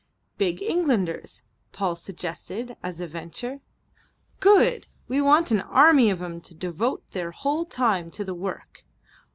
"Big Englanders," Paul suggested at a venture. "Good. We want an army of 'em to devote their whole time to the work.